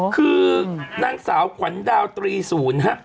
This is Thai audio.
คือนางสาวขวัญดาว๓๐ฮะ